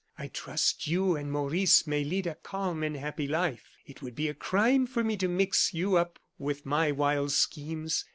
I trust you and Maurice may lead a calm and happy life. It would be a crime for me to mix you up with my wild schemes.